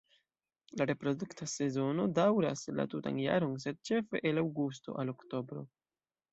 La reprodukta sezono daŭras la tutan jaron sed ĉefe el aŭgusto al oktobro.